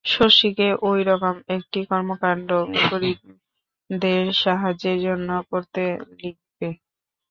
শশীকে ঐ রকম একটা কর্মবিভাগ গরীবদের সাহায্যের জন্য করতে লিখবে।